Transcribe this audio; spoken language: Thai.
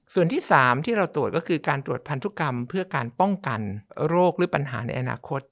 ส่วนที่๓ที่เราตรวจก็คือการตรวจพันธุกรรมเพื่อการป้องกันโรคหรือปัญหาในอนาคต